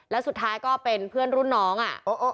แล้วสุดท้ายก็เป็นเพื่อนรุ่นน้องอ่ะ